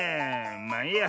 まあいいや。